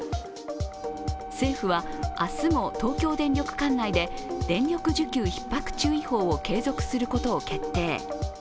政府は、明日も東京電力管内で電力需給ひっ迫注意報を継続することを決定。